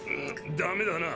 ダメだな。